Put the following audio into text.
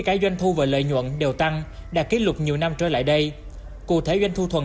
cả doanh thu và lợi nhuận đều tăng đạt kỷ lục nhiều năm trở lại đây cụ thể doanh thu thuần